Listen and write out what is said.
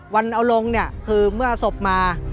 วันเอาลงเนี่ยคือเมื่อศพมา